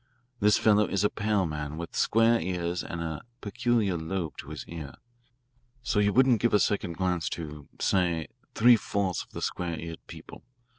This fellow is a pale man with square ears and a peculiar lobe to his ear. So you wouldn't give a second glance to, say, three fourths of the square eared people.